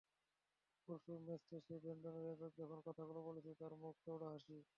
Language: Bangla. পরশুর ম্যাচ শেষে ব্রেন্ডন রজার্স যখন কথাগুলো বলছিলেন, তাঁর মুখে চওড়া হাসি।